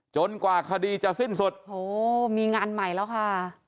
กว่าคดีจะสิ้นสุดโหมีงานใหม่แล้วค่ะ